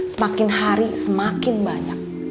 semakin hari semakin banyak